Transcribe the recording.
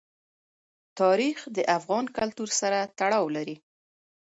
تاریخ د افغان کلتور سره تړاو لري.